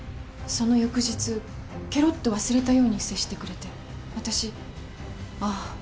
その翌日けろっと忘れたように接してくれて私あぁ